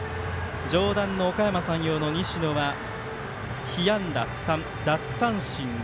上段のおかやま山陽の西野は被安打３奪三振５